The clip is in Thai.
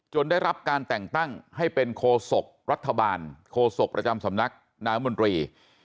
ได้รับการแต่งตั้งให้เป็นโคศกรัฐบาลโคศกประจำสำนักนามนตรี